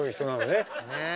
ねえ。